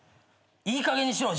いいかげんにしろ！